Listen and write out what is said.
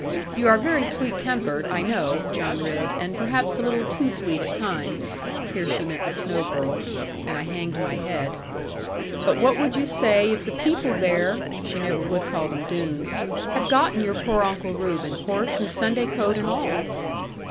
You are very sweet tempered, I know, John Ridd, and perhaps a little too sweet at times' here she meant the Snowe girls, and I hanged my head 'but what would you say if the people there' she never would call them 'Doones' 'had gotten your poor Uncle Reuben, horse, and Sunday coat, and all?'